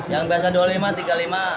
yang biasa dua puluh lima tiga puluh lima